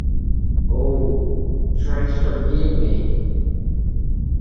Oh, try to forgive me!